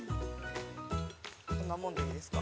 ◆こんなもんでいいですか。